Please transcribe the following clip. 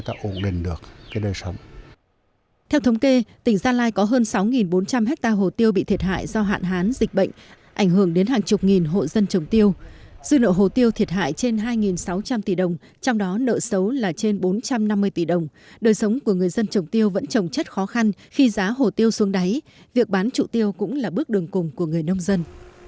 trụ trồng tiêu này là trên bốn trăm năm mươi tỷ đồng đời sống của người dân trồng tiêu vẫn trồng chất khó khăn khi giá hồ tiêu xuống đáy việc bán trụ tiêu cũng là bước đường cùng của người nông dân